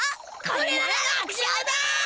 これなら楽勝だ。